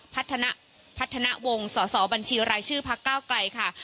พัฒนะพัฒนาวงสอศบัญชีรายชื่อภาคเกล้าใกล่ค่ะ